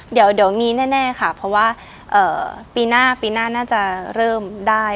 เดี๋ยวมีแน่ค่ะเพราะว่าปีหน้าปีหน้าน่าจะเริ่มได้